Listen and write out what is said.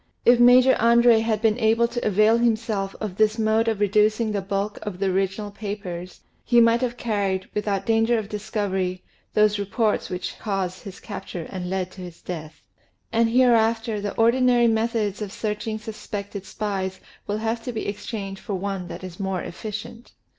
If Major Andre had been able to avail himself of this mode of reducing the bulk of the original papers, he might have carried, without danger of discovery, those re ports which caused his capture and led to his death. And 146 THE SEVEN FOLLIES OF SCIENCE hereafter the ordinary methods of searching suspected spies will have to be exchanged for one that is more efficient.